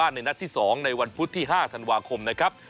ในวันพุทธที่๕ธันวาคมนะครับ